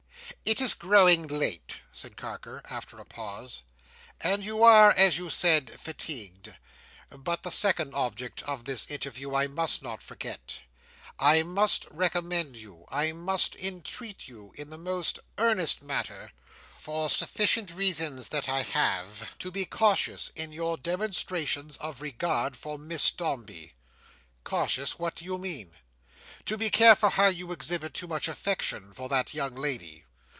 "It is growing late," said Carker, after a pause, "and you are, as you said, fatigued. But the second object of this interview, I must not forget. I must recommend you, I must entreat you in the most earnest manner, for sufficient reasons that I have, to be cautious in your demonstrations of regard for Miss Dombey." "Cautious! What do you mean?" "To be careful how you exhibit too much affection for that young lady."